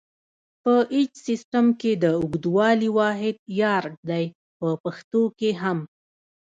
په ایچ سیسټم کې د اوږدوالي واحد یارډ دی په پښتو کې هم.